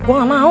gue gak mau